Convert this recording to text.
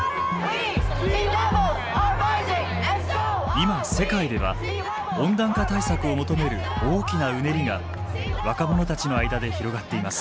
今世界では温暖化対策を求める大きなうねりが若者たちの間で広がっています。